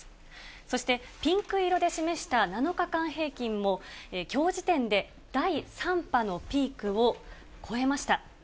そして、ピンク色で示した７日間平均も、きょう時点で第３波のピークを超えました。